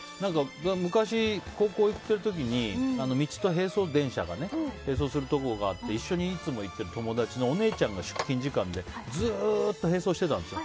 昔、高校に行っている時に道と電車が並走するところがあって一緒にいつも行っている友達のお姉ちゃんが出勤時間でずっと並走していたんですよ。